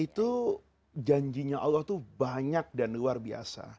itu janjinya allah itu banyak dan luar biasa